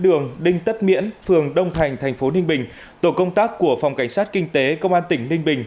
đường đinh tất miễn phường đông thành thành phố ninh bình tổ công tác của phòng cảnh sát kinh tế công an tỉnh ninh bình